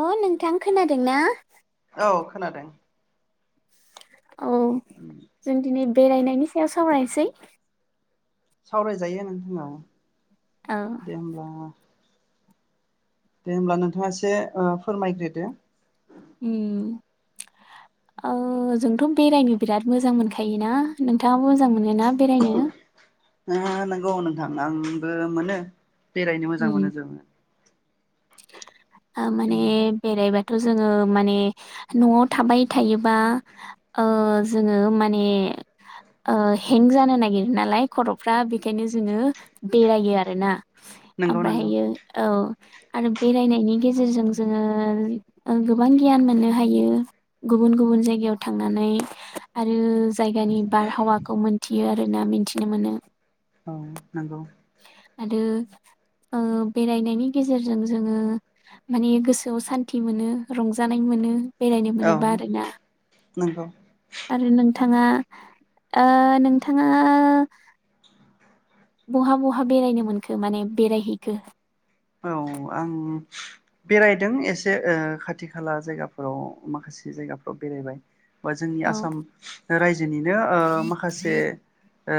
अ नोंथां खोनादों ना? औ खोनादों। औ जों दिनै बेरायनायनि सायाव सावरायनोसै। सावरायजायो नोंथां औ। औ दे होमबा। दे होमबा नोंथाङा एसे फोरमायग्रोदो। उम अ जोंथ' बेरायनो बिराद मोजां मोनखायोना नोंथाङा मो मोजां मोनोना बेरायनो? आ नंगौ नोंथां आंबो मोनो। बेरायनो मोजां मोनो जोङो। [inaudible] आ माने बेरायबाथ' जो जोङो माने न'आव थाबाय थायोबा ओ जोङो माने ओ हें जानो नागिरो नालाय खर'फ्रा बेखायनो जोङो बेरायो आरोना। नंगौ नंगौ ओमफ्रायहायो औ। आरो बेरायनायनि गेजेरजों जोङो ओं गोबां गियान मोननो हायो गुबुन गुबुन जायगायाव थांनानै आरो जायगानि बारहावाखौ मोनथियो आरो। ना मिथिनो मोनो औ नंगौ। आरो ओ बेरायनायनि गेजेरजों जोङो माने गोसोआव सान्थि मोनो रंजानाय मोनो। बेरायनो औ मोनोबा आरोना। नंगौ। आरो नोंथाङा ओ नोंथाङा। बहा बहा बेरायनो मोनखो माने बेरायहैखो औ आं बेरायदों एसे ओ खाथि खाला जायगाफोराव माखासे जायगाफ्राव बेरायबाय। बा जोंनि औ आसाम राय जोंनिनो ओ माखासे ओ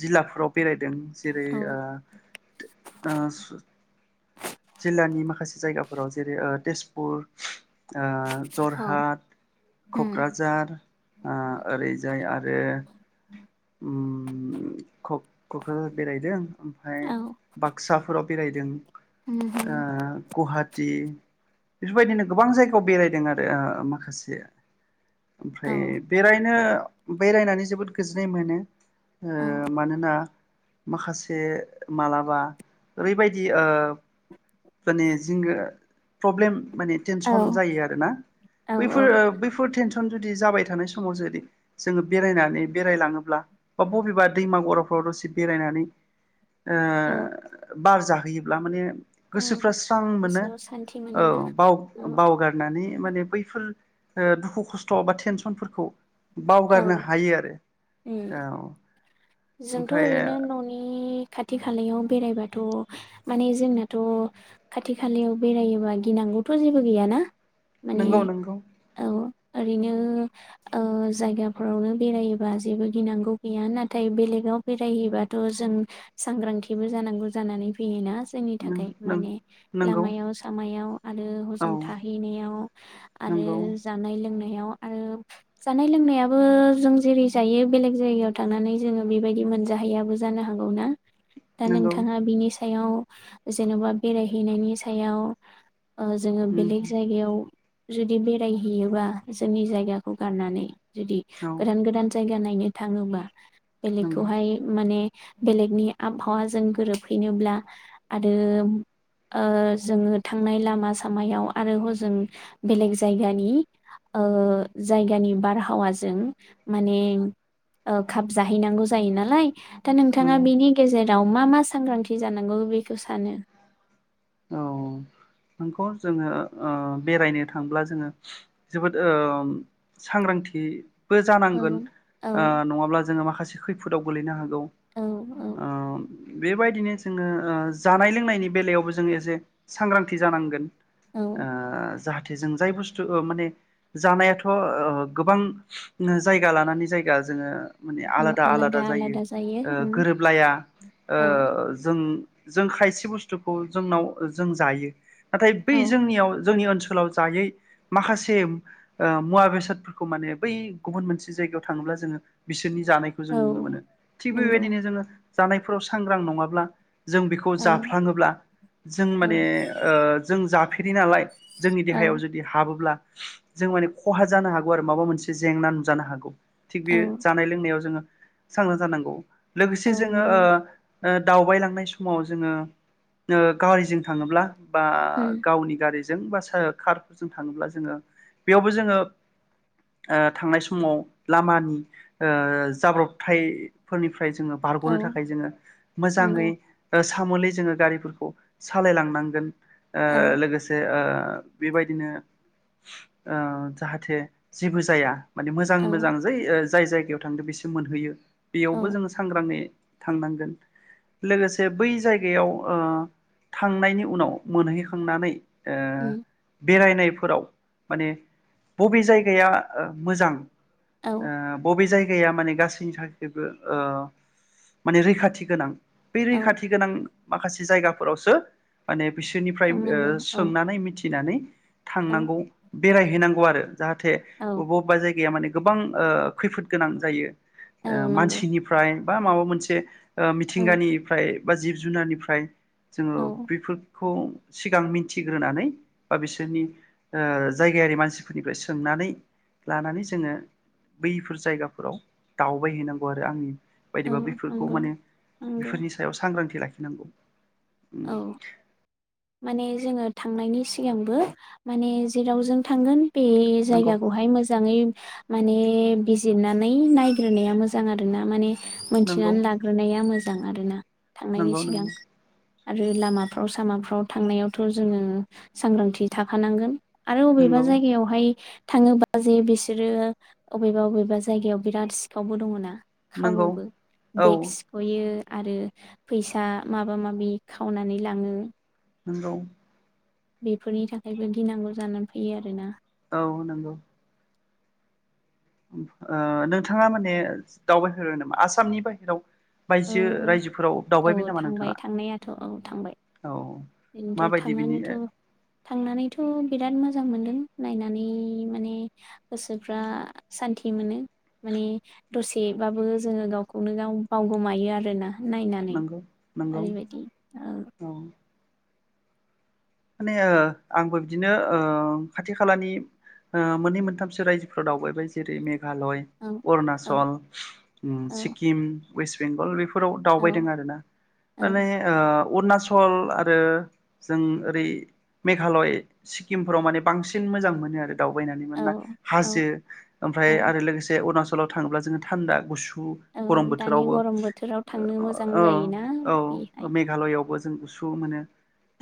जिल्लाफोराव बेरायदों जेरै औ जिल्लानि माखासे जायगाफोराव जेरै तेजपुर ओ औ जरहाट, उम क'क्राझार, आ ओरैजाय आरो बे उम क'क्राझार बेरायदों ओमफाय औ बाक्साफोराव बेरायदों उम गुवाहा थि बेफोरबायदिनो गोबां जायगायाव बेरायदों आरो माखासे ओमफ्राय औ बेरायनो बेरायनानै जोबोद गोजोन जै मोनो। हो औ मानोना माखासे मालाबा ओरैबायदि ओ फोनि जिंग प्रब्लेम माने औ थेनसन जायो आरोना औ बैफोर बैफोर थेन थ्रन जुदि जाबाय थानाय समाव जुदि जोङो बेरायनानै बेरायलाङोब्ला बा बबेबा दै मागर फट'सिप बेरायनानै ओ औ बारजा होयोब्ला माने औ गोसोफ्रा स्रां मोनो गोसोआव सान्थि औ मोनोना औ बाव-बावगारनानै माने बैफोर दुखु खस्थ' बा टेनसनफोरखौ बावगारनो औ हायो आरो उम औ जोंथ' ओमफ्राय ओरैनो न'नि खाथि खालायाव बेराय बाथ' माने जोंनाथ' खाथि खालायाव बेरायोबा गिनांगौथ' जेबो गैयाना माने नंगौ नंगौ औ ओरैनो ओ जायगाफोरावनो बेरायोबा जेबो गिनांगौ गैया ना नाथाय बेलेगाव बेरायहैबाथ' जों सांग्रांथिबो जानांगौ जानानै फैयोना जोंनि नों थाखाय नों माने नंगौ लामायाव सामायाव आरो औ हजों थाहैनायाव आरो नंगौ जानाय लोंनाय [unintelligible] आरो जानाय लोंनायाबो जों जेरै जायो बेलेग जायगायाव थांनानै जोङो बेबायदि मोनजाहैयाबो जानो हागौ ना दा नंगौ नोंथाङा बिनि सायाव जेन'बा बेरायहैनायनि सायाव जोङो उम बेलेग जायगायाव जुदि बेरायहैयोबा जोंनि जायगाखौ गारनानै जुदि औ गोदान गोदान जायगा नाय नायनो थाङोबा नंगौ बेलेगखौहाय माने बेलेगनि आबहावाजों गोरोबहैनोब्ला आरो ओ जोंङो थांनाय लामा सामायाव आरो हजों बेलेग जायगानि ओ जायगानि बारहावाजों माने खाबु जाहैनांगौ जायो नालाय। दा नोंथाङा नंगौ बेनि गेजेर राव मा मा सांग्रांथि जानांगौ बेखौ सानो? औ नोंगौ जोङो ओ बेरायनो थांब्ला जोङो जोबोद सांग्रांथि बो औ जानांगोन औ ओ नङाब्ला जोंङो माखासे खै खैफोदाव गोलैनो हा औ ओ बेबायदिनो जोंङो ओ जानाय लोंनायनि बेलायावबो जों एसे सांग्रांथि जानांगोन। औ ओ जाहा हाथे जों जाय बुस्थु माने जानायाथ'ओ गोबां जायगा लानानै जायगा जोङो माने आलादा आलादा जायो गोरोबलाया ओ औ जों जों खायसे बुस्थुखौ जोंनाव जों जायो। नाथाय बै औ जोंनियाव जोंनि ओनसो ओनसोलाव जायै माखासे ओ मुवा बेसादफोरखौ माने बै गुबुन मोनसे जायगायाव थाङोबा जोङो बिसोरनि जानायखौ जों नुनो औ मोनो थिग नंगौ बेबायदिनो जोंङो जानायफोराव सांग्रां नङाब्ला जों बेखौ औ जाफ्लाङोब्ला जों औ माने ओ जों जाफेरि नालाय जोंनि देहायाव औ जुदि हाबोब्ला जों माने खहा जानो हागौ आरो माबा मोनसे जेंना नुजानो हागौ। थिग बे औ जानाय लोंनायाव जोङो सांग्रां जानांगौ। लोगोसे औ जोङो नंगौ ओ ओ दावबायलांनाय समाव जोङो ओ गारिजों थांङोब्ला बा उम गावनि गारिज जों बास‌आ कार जों थांङोब्ला जोङो बेयावबो जोङो ओ थांनाय समाव लामानि ओ जाब्रबथायफोरनि। फ्राय जोङो औ बारग'नो थाखाय जोङो नंगौ मोजाङै ओ स सामोलैजों गारिफोरख खौ सालाय लांनांगोन। ओ औ लोगोसे ओ ओ बेबायदिनो ओ जाहाथे जेबो जाया। माने मोजां औ मोजां जै ओ जाय जायगायाव थांदों बेसिम मोनहैयो। बेयावबो औ जोङो सांग्राङै थांनांगोन लोगोसे बै जायगायाव ओ थांनायनि उनाव मोनहैखांनानै ओ उम। बेरायनायफोराव माने बबे जायगाया ओ मोजां औ ओ बबे जायग गाया माने गासैनि थाखायबो ओ माने रैखाथि गोनां। बे औ रैखाथि गोनां माखासे जायगा फ फोरावसो माने बिसोरनिफ्रायब थांनांगौ ओ औ सोंनानै मिथि इनानै। औ थांनांगौ। बेरायहैनांगौ आरो। जाहाथे औ बबा बबा जायगाया माने गोबां ओ खैफोद गोनां जायो। ओ औ नंगौ मानसिनिफ्राय बा माबा मोनसे ओ औ मिथिंगानिफ्राय बा जिब जुनारनिफ्राय जोङो औ बिफोख खौ सिगां मिथिग्रोनानै बा बिसोरनि ओ जायगायारि मानसिफोरनिफ्राय सोंनानै लानानै जोङो बैफोर जायगाफोराव दावबायहैनांगौ आरो आंनि औ बायदिबा बैफोरखौ नंगौ माने नंगौ बेफोरनि सायाव सांग्रांथि लाख नोंगौ। उम। औ माने जोङो थांनायनि सिगांबो माने जेराव जों थांगोन। बे नंगौ जायगाखौहाय मोजाङै माने बिजिरनानै नायग्रोनाया मोजां आरो ना माने। नंगौ मोनथिनानै लाग्रोनाया मोज जां आरोना। थांनायनि नंगौ सिगां नंगौ आरो [inaudible] लामाफ्राव सामाफ्राव थांनायावथ' जोङो सांग्रांथि थाखानांगोन। आरो अबेबा नंगौ जायगायावहाय थाङोबा जे बिसोरो अबेबा बबेबा जायगायाव बिराद सिखावबो दङ ना? नंगौ खावोबो औ बेग सिख'यो आरो फैसा माबा माबि खावनानै लाङो। नगौ बेफोरनि थाखायबो गिनांगौ जानानै फैयो आरोना। औ नंगौ नोंथाङा माने दावबायफेरबाय नामा आसामनि बाहहेराव? ओ बायजो रायजोफोराव औ दावबायबाय नामा नोंथाङा? थांबाय औ बेनोथ' माबायदि बिनि थांनानैथ' थांनानैथ' बिराद मोजां मोनदों नायनानै माने गोसोफ्रा सान्थि मोनो माने दसेबाबो जोङो गावखौनो गाव बावगोमायो आरोना नायनानै नंगौ नंगौ ओरैबायदि ओ औ माने ओ आंबो बिदिनो ओ खाथि खालानि मोननै मोनथामसो रायजोफोराव दावबाय जेरै मे मेघालय औ औ अरुनााचल उम औ सिक्किम वेस्ट बेंगल [unintelligible] फोराव औ दावबायदों आरोना माने ओ अरुणाचल आरो जों ओरै मेघालय सिक्किमफोराव माने बांसिन मोजां मोनो आरो दावबायनानै मोन्ना औ हाजो ओमफ्राय औ आरो लोगोसे अुरुणाचल लाव थाङोब्ला जोङो थान्दा गुसु औ गरम दानि बोथोरावबो गरम बोथोराव थांनो मोजां ओ जायोना औ बेहाय मेघालयावबो जों गुसु मोनो।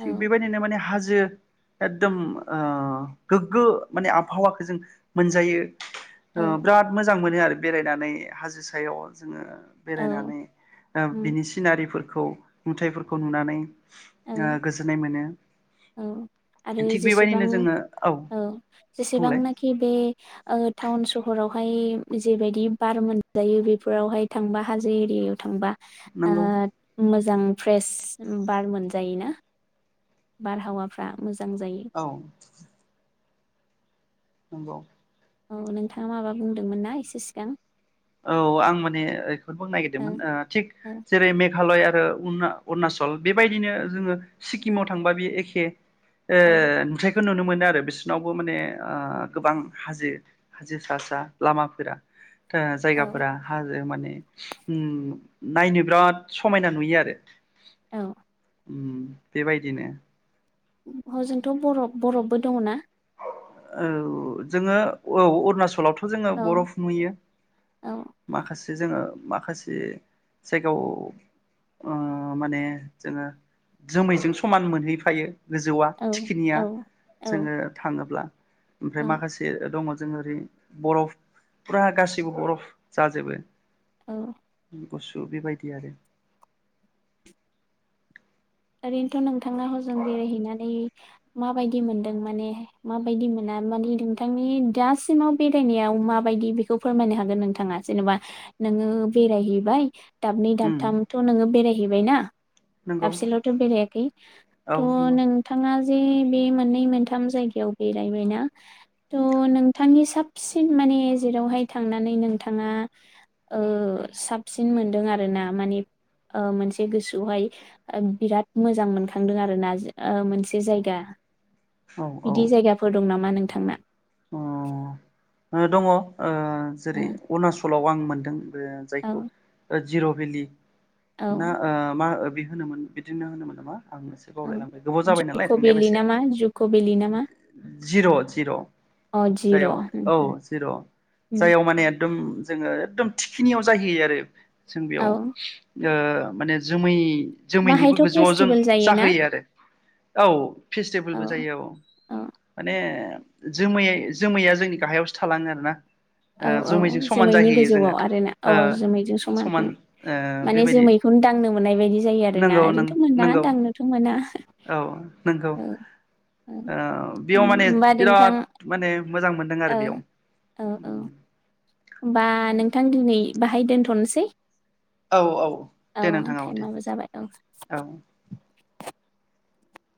थिग बेबायदिनो माने हाजो एकदम गोग्गो माने आबहावाखौ जों मोनजायो। औ बिराद मोजां मोनो आरो बेरायनानै हाजो सायाव जोङो औ बेरायनानै ओ बिनि सिनारिफोर खौ नुथायफोरखौ नुनानै औ आ गोस [unintelligible] औ आरो जेसेबां बेबायदिनो जोङो औ बुंलाय जेसेबांनाखि बे ओ टाउन सहरावहाय जेबायदि बार मोनजायो बेफोरावहाय थांबा हाजो एरियायाव थांबा नंगौ ओ मोजां फ्रेस बार मोनजायो ना? बारहावाफ्रा मोजां औ। नंगौ। औ नोंथाङा माबा बुंदोंमोन ना एसे सिगां? औ आं माने एफोरखौ होननो नागिरदोंमोन ओ थिक जेरै मेग मेघालय आरो उरुना उरुणाचल बेबायदिनो जोंङो सिक्किमाव थांबा बे एखे। ओ नुथाय बेखौ नुनो मोनो आरो बिसोरनावबो माने ओ गोबां हाजो हाजो सा सा लामाफोरा। ओ औ जायगाफोरा हाजो जो माने ओ नायनो बिराद समायना नुयो आरो। औ। उम बेबायदिनो हजोंथ' बरफ बरफबो दङना? औ जोङो औ अरुणाचलाव थ जोङो औ बरफ नुङो औ माखासे जोंङो माखासे जायगायाव ओ माने जोंङो जोमैजों समान मोनहैफायो। गोजौआ औ थिखिनिया औ औ जोङो माब्ला ओमफ्राय औ माखासे दङ जोङो ओरै बरफ फुरा गासिबो बरफ जाजोबो औ। गुसु बेबायदि आरो। ओरैनोथ' नोंथांया हजों बेरायहैनानै माबायदि मोनदों माने माबायदि मोना मानि नोंथांनि दासिमाव बेरायनायाव माबायदि बेखौ फोरमायनो हागोन नोंथाङा? जेनबा नोंङो बेरायहैबाय दाबनै उम दाबथामथ' नोंङो बेरायहैबाय ना नंगौ दाबसेल' [unintelligible] बेरायाखै औ थ' नंगौ नोंथाङा जे बे मोननै मोनथाम जायगायाव बेरायबायना थ नोंथांनि साबसिन माने जेरावहाय थांनानै नोंथाङा ओ‌ साबसिन मोनदों आरो ना माने ओ मोनसे गोसोआवहाय बिराद मोजां मोनखांदों आरो ना मोनसे जायगा औ औ बिदि जायगाफोर दं नामा? मा नोंथांना? अ ओ दङ। ओ ओ जेरै अरुणाचलाव आं मोन नोंथां ओ औ जायखौ जिर' बेलि औ ना ओ मा ओ बे होनोमोन बिदिनो होनोमोन नामा आंनोसो औ बावलायलांबाय गोबाव जाबाय नालाय जुक' थांनायाबो भेलि एसे नामा जुक' भेलि नामा जिर' जिर' अ जिर' जायाव औ जिर' उम जाययाव माने एकदम जोङो एकदम थिखिनियाव जाहैयो आरो जों बेयाव औ ओ माने जोमै जोमैनिबो बाहायथ' गोजौआव जों फेस्टिभेल जायोना जाहोयो आरो औ फेस्टिभेलबो जायो औ औ माने जोमै जोमैया जोंनि गाहायावसो थालाङो आरो ना औ औ जोमैनि गोजौआव आर ना औ ओ जोमैजों समान ओ माने बेबायदि जोमैखौनो दांनो मोननाय बायदि जायो आरोना नंगौ नों ओरैनोथ' मोना नंगौ दांनोथ' मोना औ नंगौ औ औ ओ बेयाव माने होबा नोंथां औ याव उम। ओमबा नोंथां दिनै बाहाय दोनथ'नोसै औ औ औ दे नोंथां आब' दे टाइमाबो जाबाय औ। औ